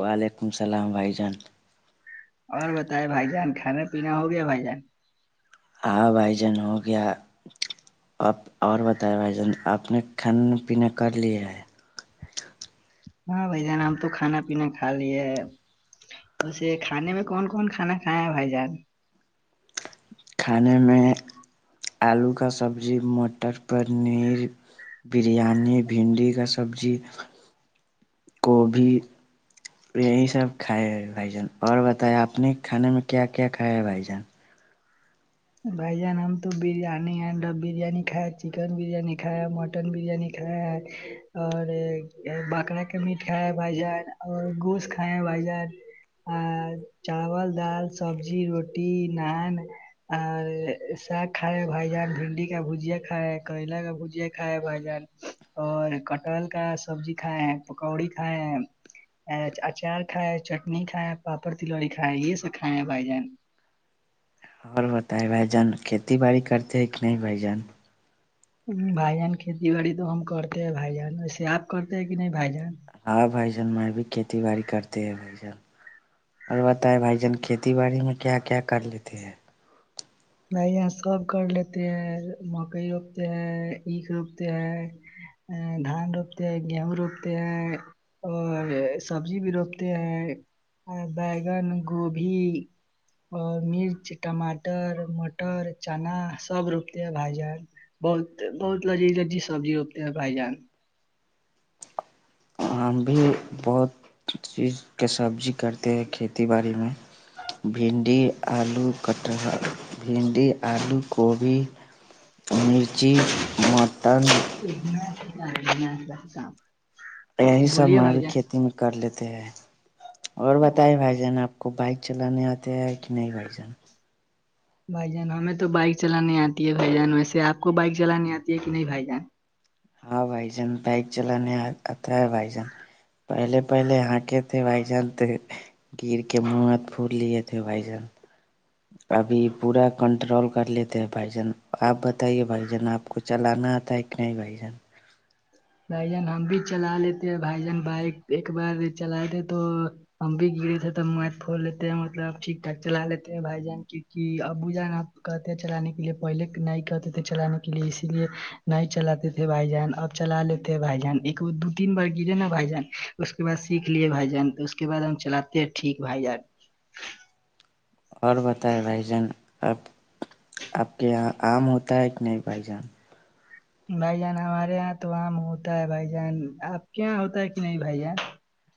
وعلیکم السلام بھائی جان اور بتائے بھائی جان کھا پینا ہو گیا بھائی جان بھائی جن ہو گیا آپ اور بتائائے بھائی جان آپ نے کھانا پین کر لیا ہے ہاں بھائی جان ہم تو کھانا پینا کھا لیے اورسے کانے میں کون کون کھانا کھائے ہیں بھائی جان کھانے میں آلو کا سبزی مٹر پنیر بریانی بھنڈی کا سبزی گبھی یہی سب کھائے ہیں بھائی جان اور بتایا آپ نے کھانے میں کیا کیا کھایا ہے بھائی جان بھائی جان ہم تو بریانی ہیں ڈب بریانی کھائے چکن بریانی کھائےیا مٹن بریانی کھیا اور بکرا کا میٹ کھیا ہے بھائی جان اور گوشت کھ کھ بائی جان آ چاول دال سبزی روٹی نان اور ساگ کھائے بھائی جان بھنڈی کا بھجیا کھائے کریلا کا بھجیا کھائے بھائی جان اور کٹہل کا سبزی کھائے ہیں پکوڑی کھائے ہیں اچار کھائے چٹنی کھائے پاپڑ تلوڑی کھائے یہ سب کھائے ہیں بھائی جان اور بت ہے بھائی جان کھیتی باڑی کرتے ہے کہ نہیں بھائی جان بھائی جان کھیتی باڑی تو ہم کرتے ہیں بھائی جان وسے آپ کرتے ہیں کہ نہیں بھائی جان ہاں بھائی جان میں بھی کھیتی باڑی کرتے ہیں بھائی سان اور بتائائے بھائی جان کھیتی باڑی میں کیا کیا کر لیتے ہیں ن یہاں سب کر لیتے ہیں مکئی روپتے ہیں عکھ روپتے ہیں ا دھان روپتے ہیں گیہوں روپتے ہیں اور سبزی بھی روپتے ہیں بیگن گوبھی اور مرچ ٹماٹر مٹر چنا سب روپے با جائے بہت بہت لذیذ لذیذ سبزی روپتے ہیں بھائی جان ہم بھی بہت چیز کے سبزی کرتے ہیں کھیتی باڑی میں بنڈی آلو کٹہرر بھنڈی آلو کوبھی مرچی مٹن س کاس کام یہی سب مار کھیتی میں کر لیتے ہیں اور بتائی بھائی جان آپ کو بائک چلانے آتے ہیں کہ نہیں بھائی جان بھائی جان ہمیں تو بائک چلانانی آتی ہے بھائی جان ویسے آپ کو بائک چلانی آتی ہے کہ نہیں بھائی جان ہاں بھائی جان بائک چلانے آتا ہے بھائی جان پہلے پہلے ہکے تھے بھائی جن ت گر کے منہ ہاتھ پھور لیے تھے بھائی جن ابھی پورا کنٹرول کر لیتے ہیں بھائی جان آپ بتائیے بھائی جان آپ کچھ چلانا تھا ایکنے ہی بھ جان بھائی جان ہم بھی چلا لیتے ہیں بھائی جان بائک ایک بار چلات تھ تو ہم بھی گرے تھے توب موبائل پھول لیتے ہیں مطلبٹھیکٹھاک چلا لیتے ہیں بھائی جان کی کہ ابو جان آپ کہتے چلانے کے لیے پہلے نہیں کہتے تھے چلانے کے لیے اسی لیے نہیں چلاتے تھے بھائی جان اب چلا لیتے تھ بھائی جان ایک دو تین بار گرے نا بھائی جان اس کے بع سیکھ لیے بھائی جان اس کے بع ہم چلاتے ج ٹھیک بھائی جار اور بتائیں بھائی جان اب آپ کے یہاں آام ہوتا ہے کہ نہیں بھائی جان بھائی جان ہمارے یہاں تو عام ہوتا ہے بھائی جان آپ کے یہاں ہوتا ہے کہ نہیں بھائی جان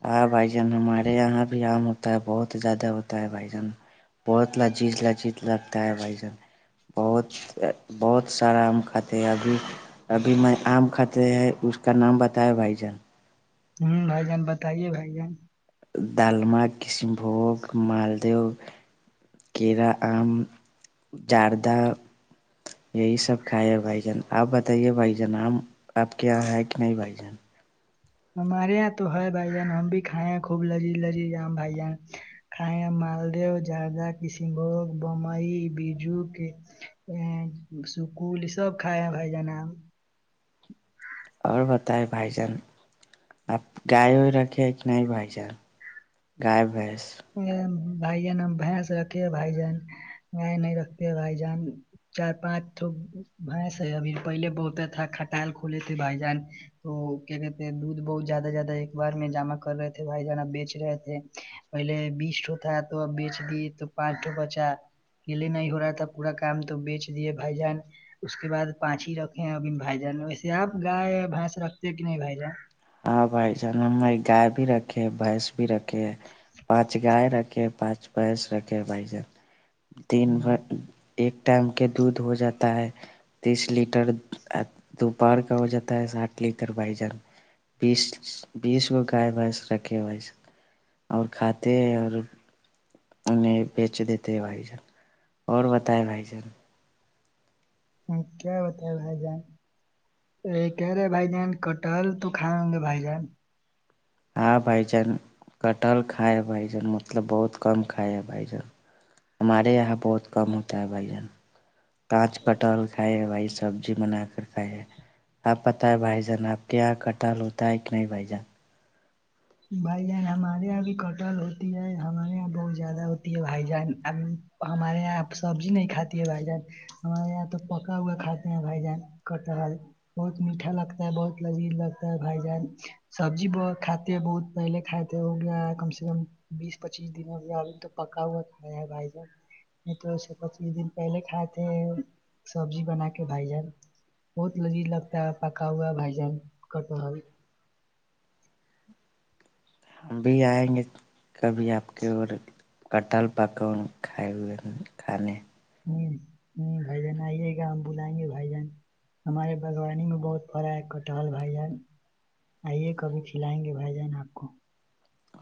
ہاں بھائی جان ہمارے یہاں بھی آام ہوتے ہوتا ہے بہت زیادہ ہوتا ہے بھائی جان بہت لذیذ لذیذ لگتا ہے بھائی جان بہت بہت سارا ہم خطر ابھی ابھی میں آم کھطے ہیں اس کا نام بتایا بھائی جان ہوں بھائی جان بتائیے بھائی جان دالما کشن بھوگ مالدو کیرا آم جاردہ یہی سب کھائے بھائی جان آپ بتائیے بھائی جان آام آپ کے یہاں ہے کہ نہیں بھائی جان ہمارے یہاں تو ہے بھائی جان ہم بھی کھائے ہیں خوب لذی لذیذ آام بھائی جان ک مالدو جاردہ کشن بوگ بمبئی بجو کے ا سکول یہ سب کائے بھائی جانا اور بتائے بھائی جان آپ گائے ہوئے رکھے کہ نہیں بھائی چان گائے بھیس بھائی جان ہم بھینس رکھے بھائی جان گائے نہیں رکھتے بھائی جان چار پانچ تو بس ہے ابھی پہلے بہتا تھا کٹال کھولے تھے بھائی جان تو کیا کہتے دودھ بہت زیادہ زیادہ ایک بار میں جمع کر رہے تھے بھائی جانہ بیچ رہے تھے پہلے بیس ٹو تھا تو بیچ دی تو پانچٹو بچا ا لیے نہیں ہو رہا تھا پورا کام تو بیچ دے بھائی جان اس کے بعد پانچ ہی رکھے اب بھائی جان ویسے آپ گائے یا بھینس رکھتے ہیں کہ نہیں بھائی جان ہاں بھائی جان ہماری گائے بھی رکھے بھینس بھی رکھے رکھ پانچ گائے رکھے پانچ بنس رکھے بھائی جان دن بھر ایک ٹائم کے دودھ ہو جاتا ہے تیس لیٹر دوپہر کا ہو جاتا ہے ساٹھ لیٹر بیجن بیس بیس گو گائے بنس رکھے بنس اور کھاتے ہیں اور انہیں بیچ دیتے بھائی جان اور بتائے بھائی جان ہ کیا بتائے بھائی جان ا کہہ رہے بھائی جان کٹل تو کھائوں گے بھائی جان ہاں بھائی چان کٹل کائے ہ بھائی ج مطلب بہت کم کھائے ہے بھائی ج ہمارے یہاں بہت کم ہوتا ہے بھن کاانچ پٹ کھائے بھائی سبزی بنا کر کھائے آپ پت ہے بھائی جان آپ کے یہاں کٹال ہوتا ہے کہ نہیں بھائی جان بھائی جان ہمارے یہاں بھی کٹل ہوتی ہے ہمارے یہاں بہت زیادہ ہوتی ہے بھائی جان اب ہمارے یہاں آپ سبزی نہیں کھاتی ہے بھائی جان ہمارے یہاں تو پکا ہوا کھاتے ہیں بھائی جان کتحال بہت میٹھا لگتا ہے بہت لذیذ لگتا ہے بھائی جان سبزی بت کھات بہت پہلے کھائے تھے ہو گیا کم سے کم بیس پچیس دنوں بھی ابھی تو پکا ہوا کھیا ہے بھائی جان یہ تو اس سے پچیس دن پہلے کھات تھے سبزی بنا کے بھائی جان بہت لذیذ لگتا ہے پکا ہوا بھائی جان کٹل اب بھی آئیں گے کبھی آپ کے اور کٹال پکوان کھائے ہوئے ہیں کھانے ہوں ہ بھائی جان آئیے گا ہم بلائیں گے بھائی جان ہمارے باغوانی میں بہت فراق کٹل بھائی جان آئیے کبھی کھلائیں گے بھائی جان آپ کو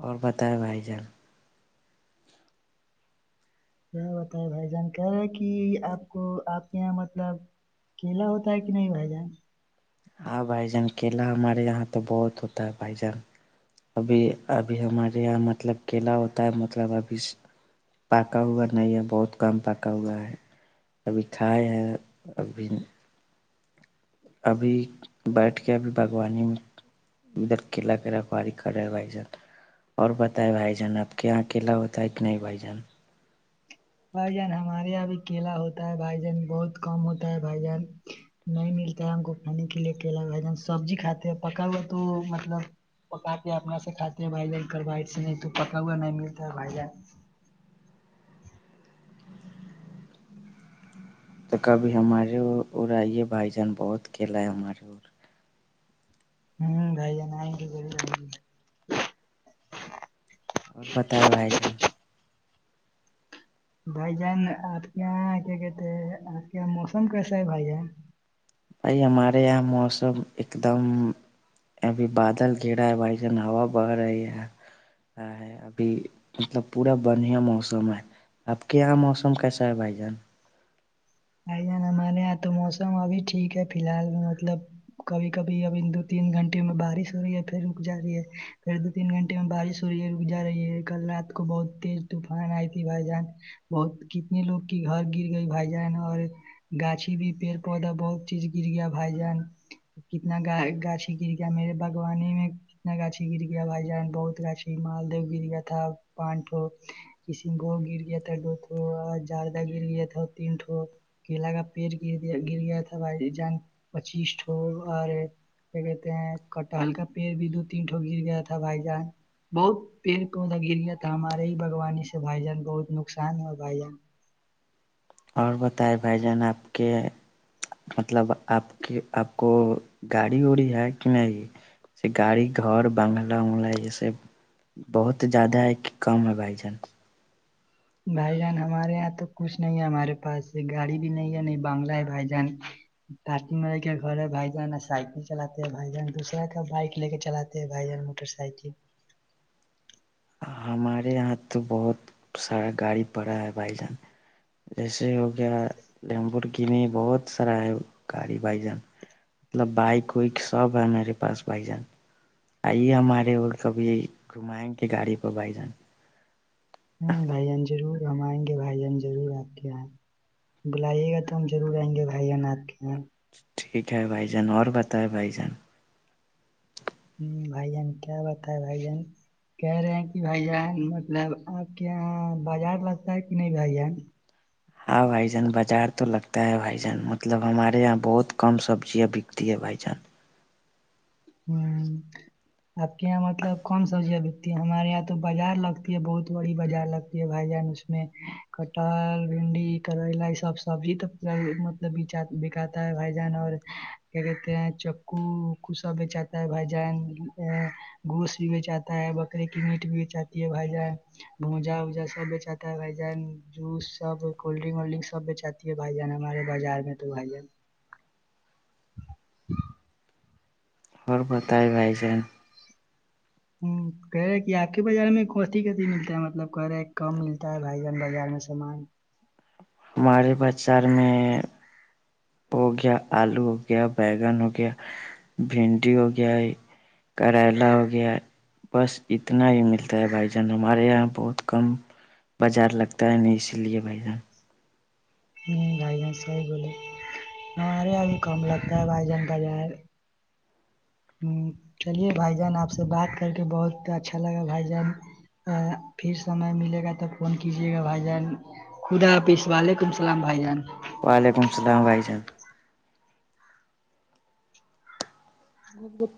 اور بتائیں بھائی جان کیا بتائے بھائی جان کرا کہ آپ کو آپ کے یہاں مطلب کیلا ہوتا ہے کہ نہیں بھائی جان ہاں بھائی جان کیلا ہمارے یہاں تو بہت ہوتا ہے بھائی جان ابھی ابھی ہمارے یہاں مطلب کیلا ہوتا ہے مطلب ابھی پکا ہوا نہیں ہے بہت کم پکا ہوا ہے ابھی کھائے ہے ابھی ابھی بیٹھ کے ابھی باغوانی میں ادھر کلا کےلا کاری کرا رہائ سا [inaudible] اور بتائے بھائی جان آپ کے یہاں اکیلا ہوتا ہے کہ نہیں بھائی جان بھائی جان ہمارے یہاں بھی کیلا ہوتا ہے بھائی جان بہت کم ہوتا ہے بھائی جان نہیں ملتا ہے ہم کو کھانے کے لیے اکلا ب جان سبزی کھاتے ہیں پکا ہوا تو مطلب پکا کے اپنا سے کاتے ہیں بھائی ج کرو سے نہیں تو پکا ہوا نہیں ملتا بھائی جن تو کبھی ہمارے ا آئیے بھائی جان بہت کلا ہے ہمارے ہوں بھائی ج نائیں گ گ [inaudible] اور بتاائے بھائی جان بھائی جان آپ کے یہاں کیا کہتے آپ کے یہ موسم کیسا ہے بھائی جان بھائی ہمارے یہاں موسم ایک دم ابھی بادل گڑا ہے بھائییکن ہوا بہ رہی ہے ہے ابھی مطلب پورا بڑھیا موسم ہے آپ کے یہاں موسم کیسا ہے بھائی جان ہائی جان ہمارے یہاں تو موسم ابھی ٹھیک ہے فی الحال مطلب کبھی کبھی ابھی دو تین گھنٹے میں بارش ہو رہی ہے پھر رک جا رہی ہے پھر تین گھنٹے میں بارش ہو رہی ہے رک جا رہی ہے کل رات کو بہت تیز طوفان آئی تھی بھائی جان بہت کتنے لوگ کی گھر گر گئی بھائی جان اور گاچھی بھی پیڑ پودا بہت چیز گر گیا بھائی جان کتنا گ گاچ گر گیا میرے باوانی میں ن گاچ گر گیا بائی جان بہت گاچھی مالدو گری گیا تھا پانٹو [inaudible] کسم بھ گر گیا تھا دوٹھو اور جاردہ گر گیا تھا تین ٹو [inaudible] کیلا کا پیٹ گریا گر گیا تھا بھائی جان پچسٹ ہو اور کیا کہتے ہیں کٹا ہلا پیڑ بھی دو تین ٹ گر گیا تھا بھائی جان [inaudible] بہت پیڑ پودا گریا تھا ہمارے ہی باوانی سے بھائی جان بہت نقصان ہوا بھائی جان اور بتائ بھائی جان آپ کے مطلب آپ کی آپ کو گاڑی ہو رہی ہے کہ نہیں ج گاڑی گھر بانگھلہ اگلہ جیسے [inaudible] بہت زیادہ ہے کہ کم ہے بھائی جان بھائی جان ہمارے یہاں تو کچھ نہیں ہے ہمارے پاس گاڑی بھی نہیں ہے نہیں بانگلہ ہے بھائی جان کاٹ مے کے گھر ہے بھائی جان سائیکل چلات ہیں بھائی جان دوسرا کا بائک لے کے چلاتے ھائی جان موٹر سائکل ہمارے یہاں ہاتھ تو بہت سارا گاڑی پڑا ہے بھائی جان جیسے ہو گیا لیمبور کی نہیں بہت سارا ہے گاڑی بھائی جان مطلب بائک وائک سب ہے میرے پاس بھائی جان آئیے ہمارے اور کبھی گھمائیں گے گاڑی پہ بھائی جان ہ بھائی جان ضرور ہم آئیں گے بھائی جان ضرور آپ کے یہیں بلائیے گا تو ہم ضرور آئیں گے بھائییا ناتھ کے یہاں ٹھیک ہے بھائی جان اور بتائیں بھائی جان ہ بھائی جان کیا بتائے بھائی جن کہہ رہے ہیں کہ بھائی جان مطلب آپ کے یہاں بازار لگتا ہے کہ نہیں بھائی جان ہاںؤ بھائی جان بازار تو لگتا ہے بھائی جان مطلب ہمارے یہاں بہت کم سبزیاں بکتی ہے بھائی جان ہ آپ کے یہاں مطلب کون سا سبزیاں بکتی ہے ہمارے یہاں تو بازار لگتی ہے بہت بڑی بازار لگتی ہے بھائی جان اس میں کٹہل بھنڈی کریلا یہ سب سبزی تو مطلبات بکاتا ہے بائی جان اور کیا کہتے ہیں چکوک سب بیچاتا ہے بھ جان گوس بھی بیچاتا ہے بکرے کی میٹ بھی بیچاتی ہے بھائی جان بونجا اوجا سب بیچاتا ہے جوس سب کولڈ ڈنک و ڈنک سب بیچاتا بھائی جان ہمارے بازار میں تو بھائی جان ج اور بتائی بھائی ہ کہہ رہے کہ آپ کے بازار میں کاھی کتیھی ملتا ہے مطلب کہہ رہے ہیں کم ملتا ہے بھائی جان بازار میں سامان ہمارے بازار میں ہو گیا آلو ہو گیا بیگن ہو گیا بھنڈی ہو گیا ہے کریلا ہو گیا بس اتنا ہی ملتا ہے بھائی جان ہمارے یہاں بہت کم بازار لگتا ہے نہیں اسی لیے بھائی جان بھائی جان صحی بولے ہمارے ابھی کم لگتا ہے بھائی جان کا جا ہ چلیے بھائی جان آپ سے بات کر کے بہت اچھا لگا بھائی جان پھر سمے ملے گا توب فون کیجیے گا بھائی جان خدا حافظ وعلیکم السلام بھائی جان وعلیکم السلام وھائی صاحب بت